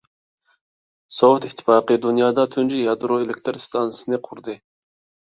سوۋېت ئىتتىپاقى دۇنيادا تۇنجى يادرو ئېلېكتىر ئىستانسىسىنى قۇردى.